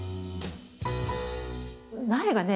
苗がね